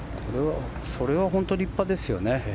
それは本当に立派ですよね。